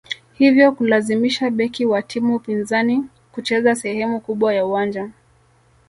hivyo kulazimisha beki wa timu pinzani kucheza sehemu kubwa ya uwanja